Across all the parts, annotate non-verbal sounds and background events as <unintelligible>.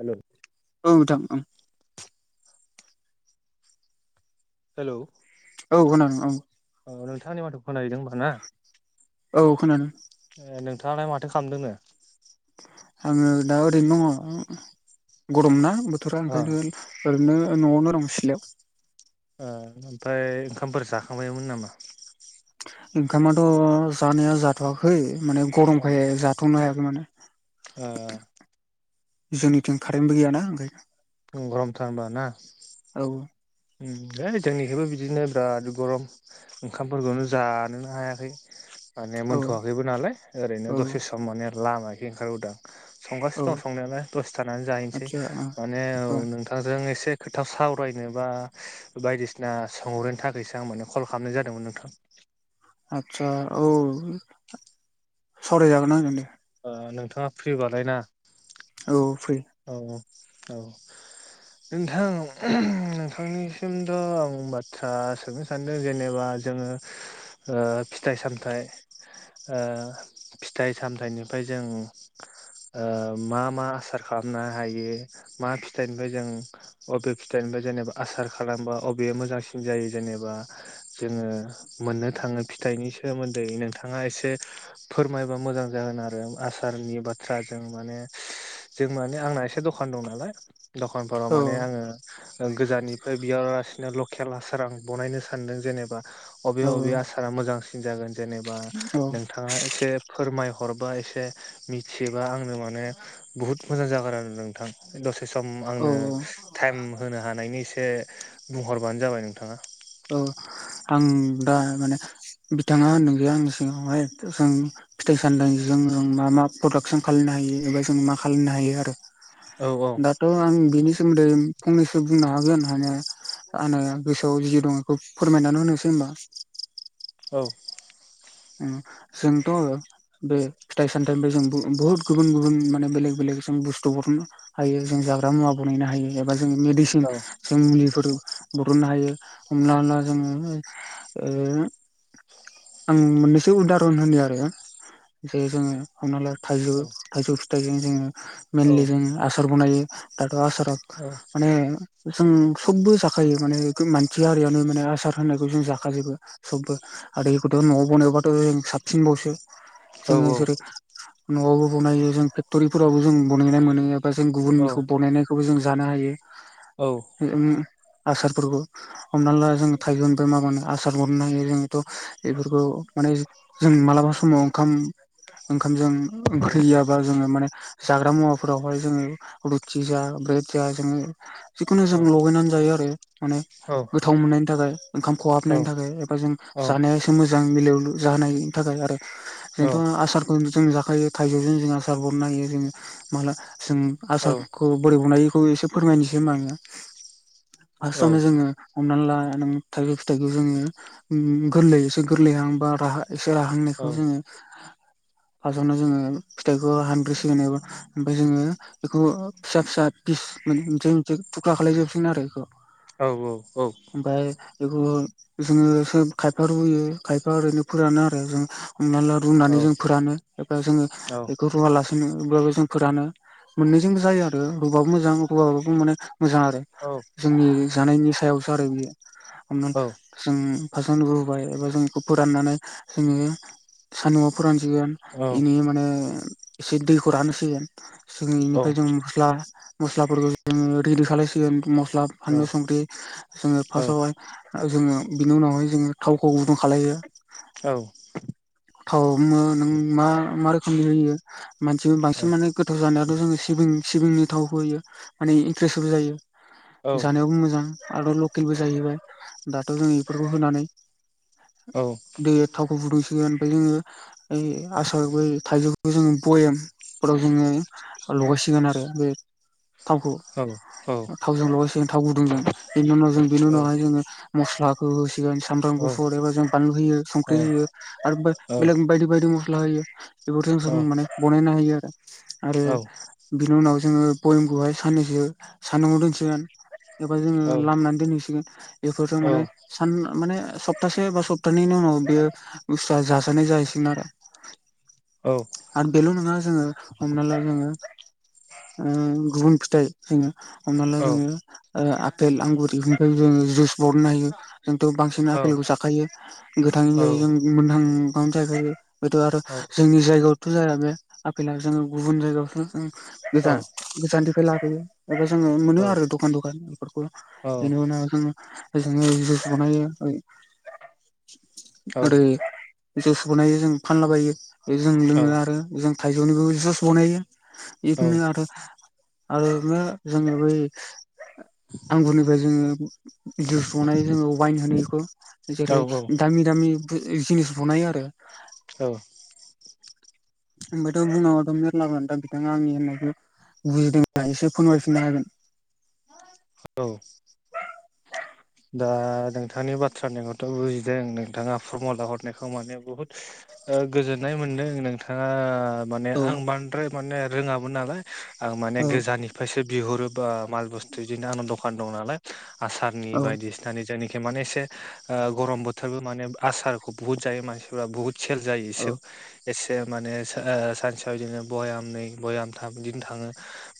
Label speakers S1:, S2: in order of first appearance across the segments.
S1: हेल'।
S2: औ नोंथां।
S1: हेल'।
S2: औ <unintelligible> औ।
S1: <unintelligible>
S2: औ खोनादों।
S1: नोंथाङालाय माथो खालामदोंनो?
S2: आङो दा ओरैनो दङ गरमना बोथोरा
S1: ओ
S2: ओंखायनो। ओरैनो न'आवनो दं सिथ्लायाव।
S1: ए ओमफ्राय ओंखामफोर जाखांबायमोन नामा?
S2: ओंखामाथ' जानाया जाथ'आाखै माने गरमखाय जाथ'नो हायाखै माने।
S1: ओ।
S2: जोंनिथिं कारेन्टबो गैयाना ओंखायनो।
S1: गरमथार होमबा ना?
S2: औ।
S1: है जोंनिखैबो बिदिनो बिराद गरम। ओंखामफोरखौनो जानोनो हायाखै। माने
S2: औ
S1: मोनथ'वाखैबो नालाय ओरैनो
S2: औ
S1: दसे सम माने लामायाखै ओंखारबोदां।
S2: औ
S1: संगासिनो दं संनायालाय दसे थानानै जाहैनोसै
S2: आदसा ओ
S1: माने औ नोंथां। जों एसे खोथा सावरायनोबा बायदिसिना सोंहरनो थाखायसो आं माने कल खालामनाय जादोंमोन नोंथां।
S2: आदसा औ सावरायजागोन <unintelligible> दे।
S1: नोंथाङा फ्रि बालाय ना?
S2: औ फ्रि।
S1: औ औ। नोंथां नोंथांनिसिमथ' आं बाथ्रा सोंनो सानदों जेनेबा। जोङो फिथाइ- सामथाइ, फिथाइ -सामथाइनि ओमफ्राय जों मा मा आसार खालामनो हायो मा फिथाइनिफ्राय जों अबे फिथाइनिफ्राय जेनेबा आसार खालामबा अबेया मोजांसिन जायो जेनेबा जोङो मोननो थाङो फिथाइनि सोमोन्दै नोंथाङा एसे फोरमायबा मोजां जागोन आरो। आरो आसारनि बाथ्रा जों माने जों माने आंना एसे दखान दं नालाय। दखानफोराव
S2: औ
S1: माने आङो गोजाननिफ्राय बिहरालासिनो लकेल हासार आं बानायनो सानदों जेनेबा। अबे
S2: औ
S1: अबे आसारा मोजांसिन जागोन जेनेबा
S2: औ
S1: नोंथाङा एसे फोरमायहर। बा एसे मिथियोबा आंनो माने बुहुत मोजां जागोन आरो नोंथां। दसे सम
S2: औ
S1: आंनो टाइम होनो हानायनि एसे बुंहरबानो जाबाय नोंथाङा।
S2: औ आं दा माने बिथाङा होनदों जे आंनि सिगावहाय जों फिथाइ- सामथाय जों मा मा प्रदाक्सन खालामनो हायो एबा जों मा खालामनो हायो आरो
S1: औ औ
S2: दाथ' आं बिनि सोमोन्दै फंनैसो बुंनो हागोन हानाया आङो गोसोआव जि दं बेखौ फोरमायनानै होनोसै होनबा।
S1: औ।
S2: जोंथ' बे फिथाइ -सामथाइनिफ्राय जों बुहुत गुबुन गुबुन माने बेलेग बेलेग जों बुस्थुफोरनो <unintelligible> हायो जों जाग्रा मुवा बानायनो हायो एबा जों
S1: औ
S2: <unintelligible> <unintelligible> जों मुलिफोर बरननो हायो हमनाला जोङो <unintelligible> आं मोननैसो उदाहरन होनो आरो जे जोङो हमना ला थाइजौ थाइजौ फिथाइजों जोङो
S1: औ
S2: मेनलि जो आसार बनायो दाथ' आसारा।
S1: औ।
S2: माने जों सबबो जाखायो माने मानसि हारियनो माने आसार होनायखौ जों जाखाजोबो सबबो आरोखौथ' न'आव बनायबाथ' जों साबसिनबावसो जोंङो
S1: औ
S2: जेरै न'आवबो बनायो जों फेक्ट'रिफोरावबो जों बनायनाय मोनो एबा जों
S1: औ
S2: गुबुननिखौ बानायनाय खौबो जों जानो हायो
S1: औ
S2: आसारफोरखौ हमना ला जों थाइगौ मोनफ्राय माबानो आसार मोनरनो हायो जोथ' बेफोरखौ माने जों मालाबा समाव ओंखाम ओंखामजों ओंख्रि गैयाबा जोंङो माने जाग्रा मुवाफोरावहाय जोंङो रुथि जा ब्रेड जा जोंङो जिखुनु जों लगायनानै जायो आरो माने गोथाव मोननायनि थाखाय ओंखाम खहाबनायनि थाखाय एबा जों जानाय मोजां मिलु जाहायनि थाखाय आरो जोंथ' आसार जों जाखायो थाइजौजों जों आसार बनो हायो जोङो माला जों आसार बोरै बनायखौ एसे फोरमायनोसै होनोमबा आो फार्स्टावनो जोङो हमनानै ला नों थाइजौ फिथाइखौ जोङो गोरलैससे गोरलैहांबा राहा एसे राहांनायखौ जोङो फारटआवनो जोंङो फिथाइखौ हानब्रिसिगोन एबा ओमफाय जोंङो बेखौ फिसा फिसा फिस मोनसे मोनसे थुख्ला खालायजोबसिग आरो बेखौ
S1: औ औ औ
S2: ओमफफ्राय बेखौ जोङो खायफा रुयो खायफा ओरैनो फोरानो आरो जों हमना ला रुनानै जों फोरानो एफा जोंङो बेखौ रुवालासिनो होनो अब्लाबो जों फोरानो मोननैजोंबो जायो आरो बबेबाबो मोजां बबेबाबो माने। मोजां आरो जोंनि जानायनि सायावसो आरो बियो। <unintelligible> सान्दुआ फोरानसिगोन बेनि माने एसे दैखौ रानोसिगोन। सिङैनिफ्राय जों मस्ला मस्लाफोरखौ जोङो रिलिउ खालामलायसिगोन मस्ला। फानलु संख्रि जोङो फार्स्टआवहाय जोङो बिनि उनावहाय जोंङो थावखौ गुदुं खालामो।
S1: औ।
S2: थाव ह नों मा मा रोखोमनि होयो मानसिबो बांसिन माने। गोथाव जानायाथ' जोङो सिबिं सिबिंनि थाव होयो माने इनक्रेस्बो जायो। जानायावबो मोजां आरो लकेलबो जाहैबाय दाथ' जों बेफोरखौ होनानै।
S1: औ।
S2: दै थावखौ फुदुंसिगोन ओमफ्राय जोङो इ आसार बै थाइजौ। बे जोङो भयेमफोराव जोंङो लगायसिगोन आरो बे। थावखौ थावजों लासि थाव गुदुं जों बेनि उनाव जों। बिनो नाय जोङो। मस्लाखौ होसिगोन सामब्राम गुफुर एबा जों बानलु होयो संख्रि होयो आरो। बेलेग बायदि बायदि मस्ला होयो बेफोरजों जों माने बनायनो हायो आरो आरो। बिनि उनाव जोङो भयेमखौहाय साननैसो सानदुंगआव दोनसिगोन। एबा जोंङो लामनानै दोनहैसिगोन। बेफोरजों माने सान माने सप्तासे बा सप्तानैनिनि उनाव बेयो बुसतुआ जा। नाय जाहैसिगोन आरो। आरो बेेल नोङा जोंङो हमना ला जोंङो। उम गुबुन फिथाइ जोंङो हमना ला जोंङो। ओ आफपेल आंगुर बेफोरनिफ्राय जों जुइस बरनो हायो जोंथ' बांसिन आपेलखौ जाखायो। गोथाङै जायै जों मोनथां। गो जायफायो बेथ' आरो जोंनि जायगायावथ' जाया बे आफेेल जोंनि गुबुन जायगायावथ' जों। गोजान गोजाननिफ्राय लाबोयो एबा जोङो मोनो आरो दखान दखान बेफोरखौ। बेनि उनाव जोंङो बानाय आरो। जुस बनायो जों फानलाबायो जों लोङो आरो जों थाइजौनिबो जुस बनायो। बिदिनो आरो आरो जों बै। आंगुरनिफ्राय जोङो जुस बनायो जोङो वाइन होनो बेखौ। जेरै दामि दामि जिनिस बनायो आरो।
S1: औ।
S2: ओमफ्रायथ' बुंनांगौआथ' मेरलागोन दा बिथाङा आंनि होननायखौ बुजिदोंबा एसे फोरमायफिननो हागोन।
S1: औ। दा नोंथांनि बाथ्रानिखौथ' बुजिदों नोंथाङा फरमुला हरनायखौ माने बुहुत गोजोननाय मोनदों। नोंथाङा माने
S2: औ
S1: आं बांद्राय माने रोङामोन नालाय। आं माने
S2: औ
S1: गोजाननिफ्रायसो बिहरो बा माल बुस्थु बिदिनो आंनाव दखान दं नालाय। आसारनि
S2: औ
S1: बायदि। बायदिसिनानि जोंनिखै माने एसे ओ गरम बोथोरबो माने आसारखौ बहुत जायो मानसिफोरा बुहुत। सेल जायो
S2: औ
S1: एसे। एसे माने ओ सानसेयाव बिदिनो बयामनै बयामथाम बिदिनो थाङो।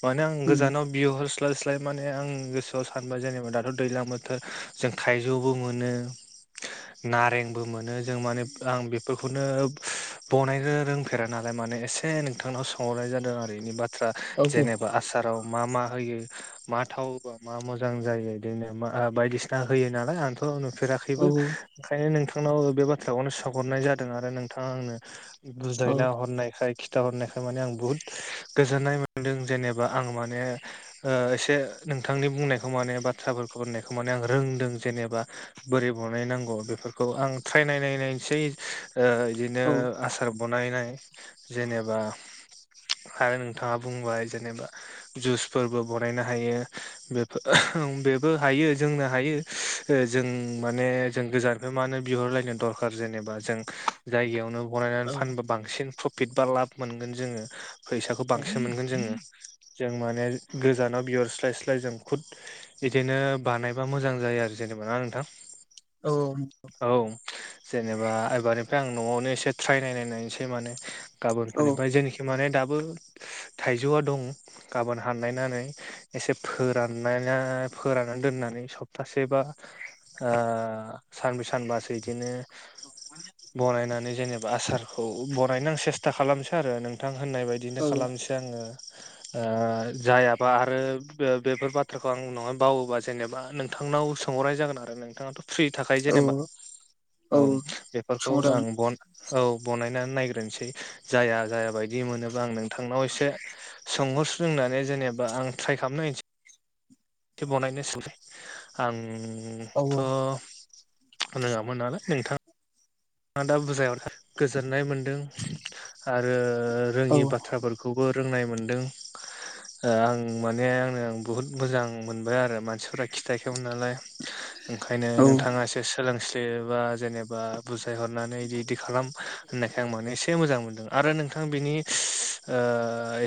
S1: माने आं
S2: उम
S1: गोजानाव बिहरस्लायस्लाय माने आं गोसोआव सानबाय जेनेबा दाथ' दैज्लां बो <unintelligible> नारेंबो मोनो जों माने आं बेफोरखौनो बनायनो रोंफेरा नालाय माने एसे नोंथांनाव सोंहरनाय जादों आरो बेनि बाथ्रा।
S2: औ
S1: जेनेबा आसाराव मा मा होयो मा थाव होबा मा मोजां जायो बिदिनो मा आ बायदिसिना होयो नालाय आंथ'
S2: औ
S1: नुफेराखैबो। ओंखायनो नोंथांनाव बे बाथ्राखौनो सोंहरनाय जादों आरो नोंथाङा आंनो
S2: औ
S1: बुजायना हरनायखाय खिथा हरनायखाय माने आं बुहुत गोजोन्नाय मोनदों जेनेबा आं माने एसे नोंथांनि बुंनायखौ माने बाथ्राफोरखौ होननायखौ माने आं रोंदों जेनेबा। बोरै बनाय नांगौ बेफोरखौ आं ट्राइ नायनाय नायनोसै बिदिनो
S2: औ
S1: आसार बनायनाय जेनेबा आरो नोंथाङा बुंबाय जेनेबा जुसफोरबो बानायनो हायो बे बो हायो जोंनो हायो जों माने जों गोजाननिफ्राय मानो बिहरलायनो दर कार जेनेबा जों जायगायावनो बनायनानै
S2: औ
S1: फानबा बांसिन प्रफिट बा लाब मोनगोन जोङो। फैसाखौ बांसिन मोनगोन जोङो। जों माने गोजानाव बिहरस्लाय स्लाय जों खुद बिदिनो बानायबा मोजां जायो आरो जेनेबा ना नोंथां।
S2: औ
S1: औ जेनेबा एबारनिफ्राय आं न'आवनो एसे ट्राइ नायनाय नायनोसै माने। गाबोनफोरनिफ्राय जोंनिखै माने दाबो थाइजौआ दं गाबोन हाननायनानै एसे फोराननायना फोराननानै दोननानै सप्तासे बा ओ सानब्रै सानबासो बिदिनो बनायनानै जेने बा आसारखौ बनायनो आं सेस्था खालामसै आरो नोंथां होननाय बायदिनो
S2: औ औ
S1: खालामसै। दा‌ आङो ओ जायाबा आरो बेफोर बाथ्राखौ आं उनावहाय बावोबा जेनेबा नोंथांनाव सोंहरनाय जागोन आरो। नोंथाङाथ' फ्रि थाखायो
S2: औ
S1: जेनेबा। औ बेफोरखौ आं
S2: सोंहरजागोन
S1: बन औ बानायनानै नायग्रोसै जाया जाया बायदि मोनोबा आं नों थांनाव एसे सोंहरस्रोनानै जेनेबा आं ट्राइ खालामनायनोसै। बनायनोसै
S2: औ
S1: आंथ' रोङामोन नालाय नोंथाङा थांआ दा बुरजायाव गोजोननाय मोनदों आरो
S2: औ
S1: रोङि बाथ्राफोर खौबो रोंनाय मोनदों। ओ आं माने आंनो बुहुत मोजां मोनबाय आरो मानसिफोरा खिथायाखैमोन नालाय ओंखायनो
S2: औ
S1: नोंथाङा एसे सोलोंस्लिबा जेनेबा बुजायहरनानै बिदि इदि खालाम होननायखाय आं मानो एसे मोजां मोनदों आरो नोंथां बिनि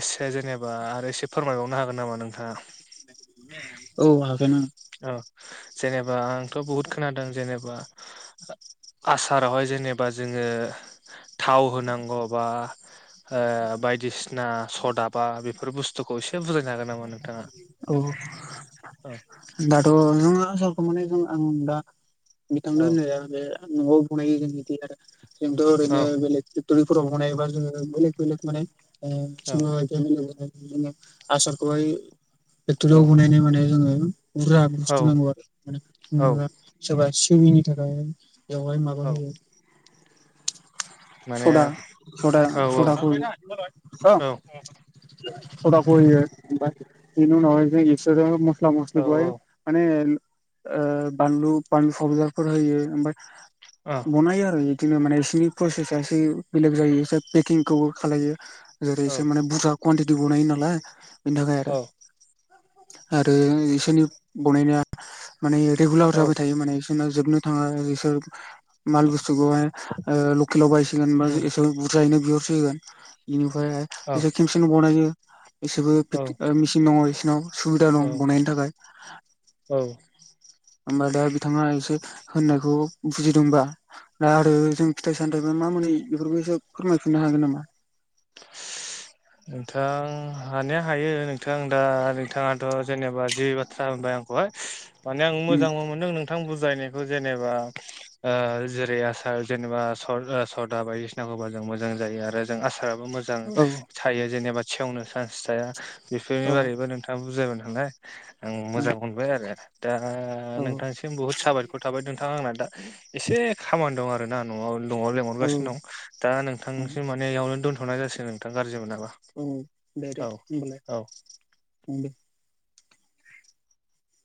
S1: एसे जेनेबा आरो एसे फोरमायबावनो हागोन नामा नोंथाङा
S2: औ आ न
S1: औ जेनेबा आंथ' बहुद खोनादों जेनेबा आसारावहाय जेनेबा जोङो थाव होनांगौ बा बायदिसिना सदाबा बेफोर बुस्थु बस्थखौ एसे बजायनो हाग नामा नोंथाङा
S2: औ
S1: औ
S2: दाथ' नङो आसारखौ माने जों आं दा बिथांनो
S1: औ
S2: होननाया बे न'आव बनायो जों बिदि आरो जोंथ'
S1: औ
S2: ओरैनो बेलेग फेक्ट'रिफोराव ब बा जोङो बेलेग बेलेग
S1: औ
S2: मानेोङोोङ आसारखौबायाय क्ट'रियाव बनाय माने जोङो बुरा
S1: औ
S2: बुस्थु नांगौ आरो
S1: औ
S2: मा सोरबा सििनि थाखाय बेवहाय माबा
S1: औ
S2: होयो
S1: माने
S2: सदा
S1: औ
S2: सदा
S1: औ
S2: सदा फ
S1: औ
S2: फदखौ जनो नाय जसोर म मस्लिाय
S1: औ
S2: बानलु बानलु सदारफोर होयो ओमफ्राय
S1: औ
S2: बनायो आरो बिदिनो माने बिसिोरनि प्रसेसा एसे बेलेग जायो ए पेकिंखौ खालामलायो जेरै
S1: औ
S2: इसे माने बुरजा कुवटि ब नायो नालाय बेनि थाखाय आरो
S1: औ
S2: आरो इसोरनि बनायनाया माने रेगुलार
S1: औ
S2: जाबाय थायो माने बिसोरना जोबनो थाङा बिसोर माल बुस्थुखौहाय लकेलाव बायसिगोन बा
S1: उम
S2: एसे बुरजायैनो बिहरसिगोन बेनिफ्राय
S1: औ
S2: ज खमसेनो बनायो इसबो
S1: औ
S2: मेसिन दङ बिसोरनाव सुबिदा दं
S1: औ
S2: बनायनो थाखाय
S1: औ
S2: ओबफ्राय दा बिथाङा एसे होननायखौ बुजिदोंबा दा आरो जों फिथाइ सामथाय बा मा मोनै बेफोरखौ एसो फोरमायफिननो हागोन नामा
S1: नोंथां हानाया हायो नोंथां दा नोंथाङाथ' जेनेबा जि बाथ्रा होनबाय आं हाय माने आं
S2: उम
S1: मोजां मोनदों नोंथां बुजायनायखौ जेनेबा जेरै आसार जेनेबा सदा बायदिसिनाखौबा जों मोजां जायो आरो आसाराबो मोजां
S2: औ
S1: थायो जेनेबा सेवनो चान्स थाया बेफोरनि
S2: औ
S1: बारैबो नोंथाङा बुजायबाय नालाय आं मोजां मोनबाय आरो दा
S2: औ
S1: नोंथां जों बुहुत साबायखर थाबाय नोंथां आंना दा एसे खामानि दं आरो आरोना न'आव न'आव
S2: औ
S1: लेंहरगासिनो दं दा
S2: औ
S1: नोंथांसो माने इयावनो दोन्थ'नाय ज जासिगोन गाज्रि मोननाङा
S2: अ दे दे हबालाय दे